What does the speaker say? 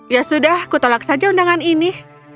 ya sudah kutolak saja undangan ini